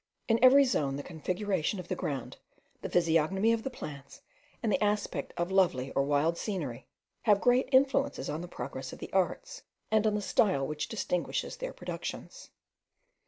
In every zone the configuration of the ground, the physiognomy of the plants, and the aspect of lovely or wild scenery, have great influence on the progress of the arts, and on the style which distinguishes their productions.